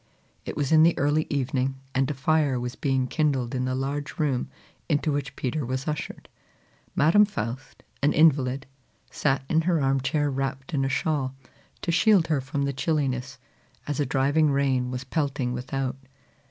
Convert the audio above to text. It was in the early evening, and a fire was being kindled in the large room into which Peter was ushered. Madam Faust, an invalid, sat in her arm chair wrapped in a shawl, to shield her from the chilliness, as a driving rain was pelting without.